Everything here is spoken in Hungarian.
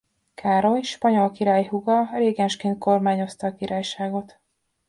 Károly spanyol király húga régensként kormányozta a királyságot.